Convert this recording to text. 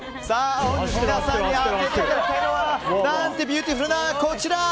本日、皆さんに当てていただきたいのは何てビューティフルなこちら！